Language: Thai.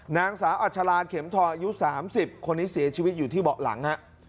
นางสาวอัชราเข็มทองอายุ๓๐คนนี้เสียชีวิตอยู่ที่เบาะหลังฮะ